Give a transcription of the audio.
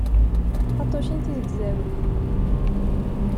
Taṭṭucin tizegzawin.